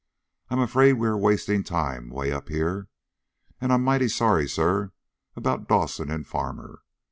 "I'm afraid we are wasting time way up here. And I'm mighty sorry, sir, about Dawson and Farmer.